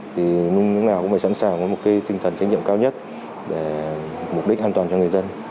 thì lúc nào cũng phải sẵn sàng với một cái tinh thần trách nhiệm cao nhất để mục đích an toàn cho người dân